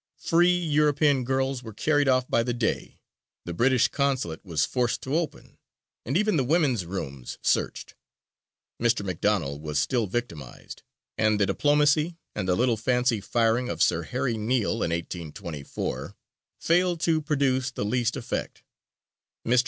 Free European girls were carried off by the Dey; the British consulate was forced open, and even the women's rooms searched; Mr. McDonell was still victimized; and the diplomacy and a little fancy firing of Sir Harry Neale in 1824 failed to produce the least effect. Mr.